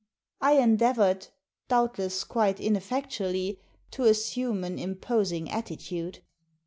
I endeavoured, doubtless quite ineffectually, to assume an imposing attitude.